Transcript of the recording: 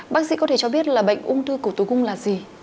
bác sĩ có thể cho biết là bệnh ung thư cổ tử cung là gì